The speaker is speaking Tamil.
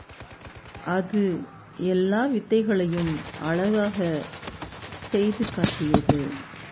அது எல்லா வித்தைகளையும் அழகாகச் செய்துகாட்டியது.